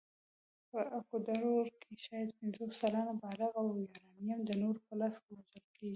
په اکوادور کې شاید پنځوس سلنه بالغ وایورانيان د نورو په لاس وژل کېږي.